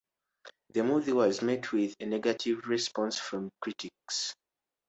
The movie was met with a negative response from critics.